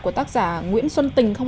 của tác giả nguyễn xuân tình không ạ